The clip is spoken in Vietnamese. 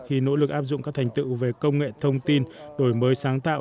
khi nỗ lực áp dụng các thành tựu về công nghệ thông tin đổi mới sáng tạo